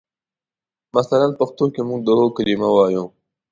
مثلاً پښتو کې موږ د هو کلمه وایو.